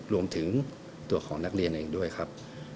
รวมถึงตัวของนักเรียนเองด้วยครับ